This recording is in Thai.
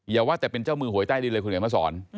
อย่าว่าแต่เป็นเจ้ามือหวยใต้ดินเลยคุณเห็นมาสอน